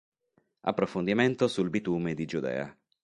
Approfondimento sul bitume di Giudea